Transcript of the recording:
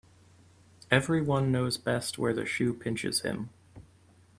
Every one knows best where the shoe pinches him.